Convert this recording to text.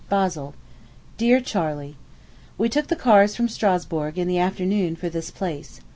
BASLE. DEAR CHARLEY: We took the cars from Strasburg in the afternoon for this place.